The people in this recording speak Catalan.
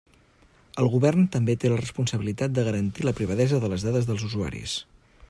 El govern també té la responsabilitat de garantir la privadesa de les dades dels usuaris.